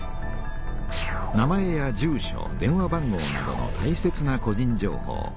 名前や住所電話番号などのたいせつな個人情報。